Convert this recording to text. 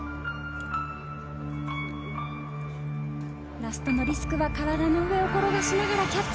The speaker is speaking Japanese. ラストのリスクは体の上を転がしながらキャッチ。